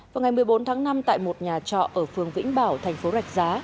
vào ngày một mươi bốn tháng năm tại một nhà trọ ở phường vĩnh bảo thành phố rạch giá